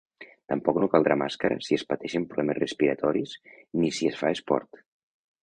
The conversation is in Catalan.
Tampoc no caldrà màscara si es pateixen problemes respiratoris ni si es fa esport.